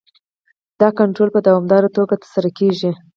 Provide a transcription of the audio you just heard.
دا کنټرول په دوامداره توګه ترسره کیږي.